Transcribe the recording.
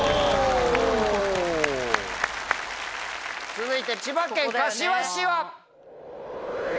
続いて千葉県柏市は？